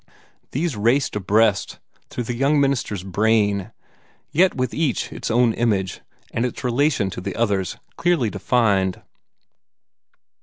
These raced abreast through the young minister's brain, yet with each its own image, and its relation to the others clearly defined.